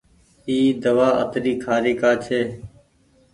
اي دوآ اتري کآري ڪآ ڇي۔